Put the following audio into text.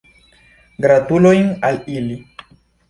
Gratulojn al ili.